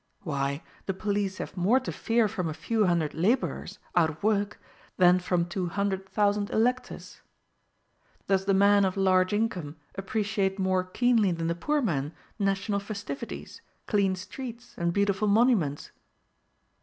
Why, the police have more to fear from a few hundred laborers, out of work, than from two hundred thousand electors! Does the man of large income appreciate more keenly than the poor man national festivities, clean streets, and beautiful monuments?